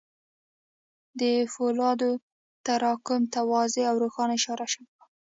د پولادو تراکم ته واضح او روښانه اشاره شوې وه